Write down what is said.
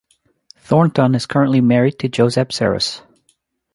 Thornton is currently married to Josep Seras.